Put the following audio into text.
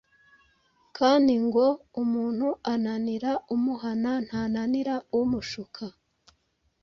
Kandi ngo: “Umuntu ananira umuhana ntananira umushuka.”